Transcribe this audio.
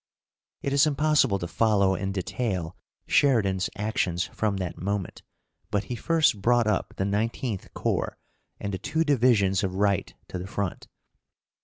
It is impossible to follow in detail Sheridan's actions from that moment, but he first brought up the 19th Corps and the two divisions of Wright to the front.